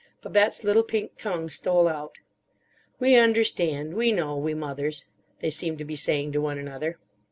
Babette's little pink tongue stole out. "We understand, we know—we Mothers," they seemed to be saying to one another.